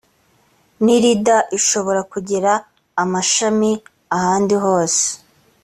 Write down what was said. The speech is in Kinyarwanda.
nirida ishobora kugira amashami ahandi hose.